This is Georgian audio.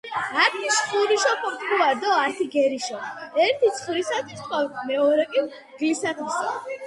ართი შხურიშო ქობთქუათ დო ართი გერიშო."ერთი ცხვრისათვის ვთქვათ მეორე კი მგლისათვისო